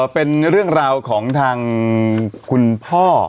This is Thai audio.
เป็นเรื่องราวของทางคุณพ่อ